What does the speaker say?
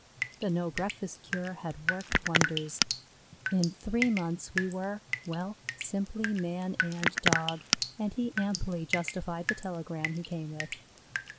The no breakfast cure had worked wonders; in three months we were well, simply man and Dog, and he amply justified the telegram he came with.